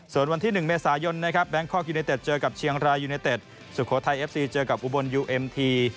ส่วนวันที่๑เมษายนนะครับแบงคอกยูเนเต็ดเจอกับเชียงรายยูเนเต็ดสุโขทัยเอฟซีเจอกับอุบลยูเอ็มที